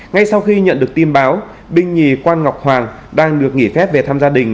ngay sau khi nhận được tin báo binh nhì quan ngọc hoàng đang được nghỉ phép về thăm gia đình